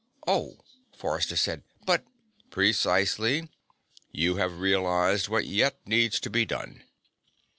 "Oh," Forrester said. "But " "Precisely. You have realized what yet needs to be done.